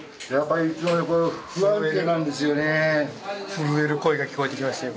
震える声が聞こえてきましたよ。